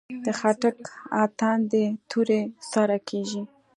د خټک اتن د تورې سره کیږي.